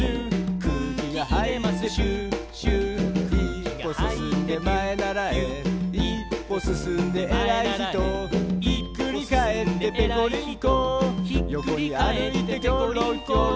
「くうきがはいってピュウピュウ」「いっぽすすんでまえならえ」「いっぽすすんでえらいひと」「ひっくりかえってぺこりんこ」「よこにあるいてきょろきょろ」